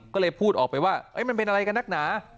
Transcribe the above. ก็เลยพูดออกไปว่ามันเป็นอะไรกันนักหนา